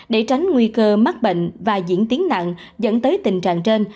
để tránh nguy cơ mắc bệnh và diễn tiến nặng dẫn tới tình trạng trên